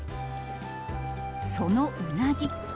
そのうなぎ。